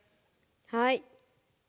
はい。